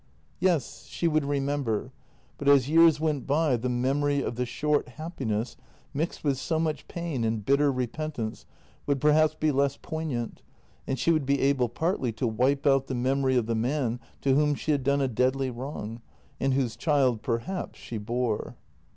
Yes, she would remember, but as years went by the memory of the short happiness mixed with so much pain and bitter repentance would perhaps be less poignant, and she would be able partly to wipe out the memory of the man to whom she had done a deadly wrong — and whose child perhaps she bore.